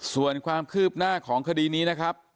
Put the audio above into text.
ส่วนความคืบหน้าของคดีนี้นะครับ